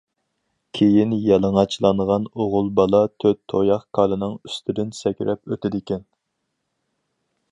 كېيىن يالىڭاچلانغان ئوغۇل بالا تۆت تۇياق كالىنىڭ ئۈستىدىن سەكرەپ ئۆتىدىكەن.